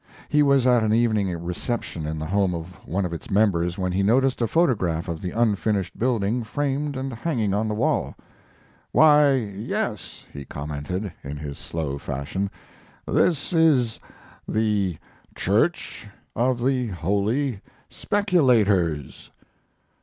He was at an evening reception in the home of one of its members when he noticed a photograph of the unfinished building framed and hanging on the wall. "Why, yes," he commented, in his slow fashion, "this is the 'Church of the Holy Speculators.'"